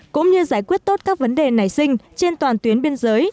cũng như giải quyết tốt các vấn đề nảy sinh trên toàn tuyến biên giới